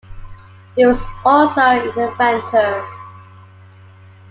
He was also an inventor.